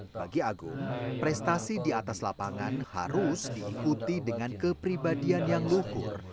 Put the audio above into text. bagi agung prestasi di atas lapangan harus diikuti dengan kepribadian yang lukur